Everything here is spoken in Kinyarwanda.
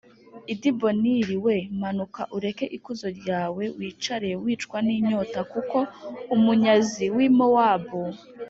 i Dibonil we manuka ureke ikuzo ryawe wicare wicwa n inyota kuko umunyazi w i Mowabu